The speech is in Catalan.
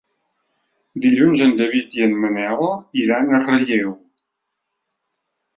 Dilluns en David i en Manel iran a Relleu.